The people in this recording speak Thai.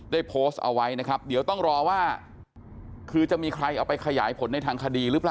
ได้โพสต์เอาไว้นะครับเดี๋ยวต้องรอว่าคือจะมีใครเอาไปขยายผลในทางคดีหรือเปล่า